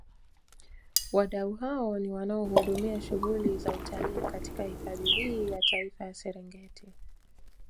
Wadau hao ni wanaohudumia shughuli za utalii katika hifadhi hii ya Taifa ya Serengeti